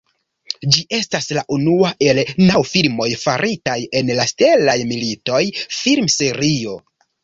Ĝi estas la unua el naŭ filmoj faritaj en la Stelaj Militoj film-serio.